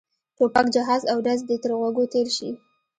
ټوپک جهاز او ډز دې تر غوږو تېر شي.